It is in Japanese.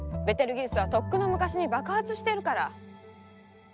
ベテルギウスはとっくの昔に爆発してるから。